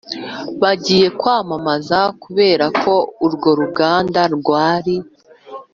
bagiye kwamamaza(kubera ko urwo ruganda rwari